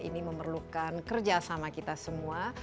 ini memerlukan kerja sama kita semua